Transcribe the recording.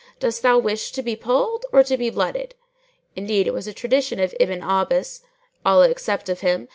Dost thou wish to be polled or to be blooded? Indeed it was a tradition of Ibn Abbas[FN#610] (Allah accept of him!)